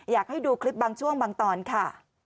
อยากให้ดูคลิปบางช่วงบางตอนค่ะ